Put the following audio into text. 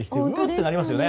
てなりますよね。